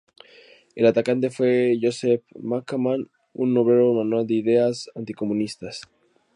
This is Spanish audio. El atacante fue Josef Bachmann, un obrero manual de ideas anticomunistas.